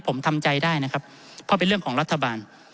ผมทำใจได้นะครับเพราะเป็นเรื่องของรัฐบาล